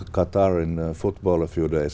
và tôi rất vui khi ở đây